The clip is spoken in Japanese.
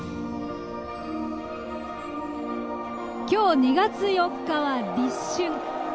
きょう２月４日は、立春。